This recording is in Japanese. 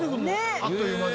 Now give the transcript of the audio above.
あっという間に。